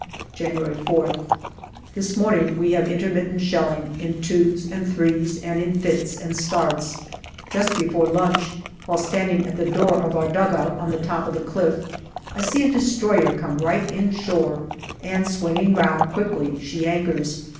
January 4>th. This morning we have intermittent shelling, in twos and threes and in fits and starts. Just before lunch, while standing at the door of our dugout on the top of the cliff, I see a destroyer come right in shore, and swinging round quickly, she anchors.